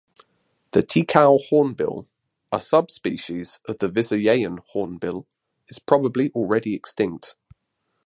The Ticao hornbill, a subspecies of the Visayan hornbill, is probably already extinct.